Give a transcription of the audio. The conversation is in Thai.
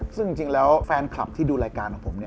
ซึ่งจริงแล้วแฟนคลับที่ดูรายการของผม